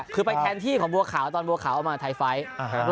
คือไปแทนที่ของบัวขาวตอนบัวขาวเอามาไทยไฟท์